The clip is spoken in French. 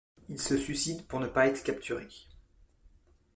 Il se suicide pour ne pas être capturé.